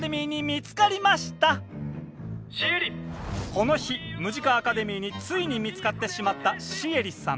この日ムジカ・アカデミーについに見つかってしまったシエリさん